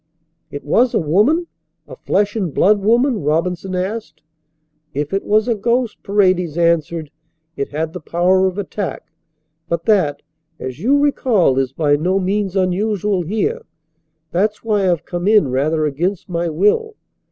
"It was a woman a flesh and blood woman?" Robinson asked. "If it was a ghost," Paredes answered, "it had the power of attack; but that, as you'll recall, is by no means unusual here. That's why I've come in rather against my will.